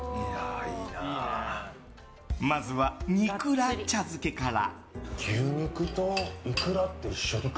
まずは、にくら茶漬けから。